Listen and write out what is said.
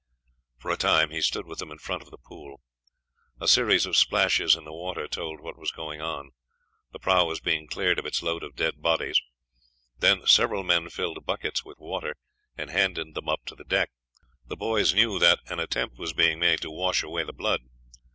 For a time he stood with them in front of the pool. A series of splashes in the water told what was going on. The prahu was being cleared of its load of dead bodies; then several men filled buckets with water, and handed them up to the deck. The boys knew that an attempt was being made to wash away the blood.